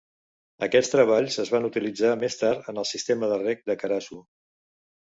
Aquests treballs es van utilitzar més tard en el sistema de reg de Carasu.